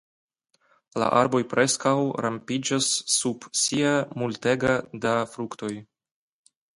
La arboj preskaŭ rompiĝas sub sia multego da fruktoj.